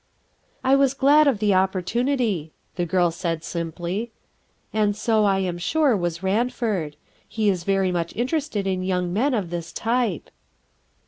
"I was glad of the opportunity," the girl said simply. "And so, I am sure, was Ranford. He is very much interested in young men of thii type."